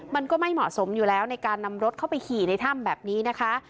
มันก็ไม่เหมาะสมอยู่แล้วในการนำรถเข้าไปขี่ในถ้ำแบบนี้นะคะ